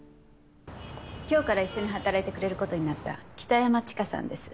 今日から一緒に働いてくれることになった北山知花さんです。